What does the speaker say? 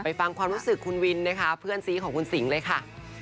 ฟังความรู้สึกคุณวินนะคะเพื่อนซีของคุณสิงเลยค่ะ